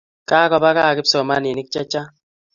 Kakopa kaa kipsomaninik chechang'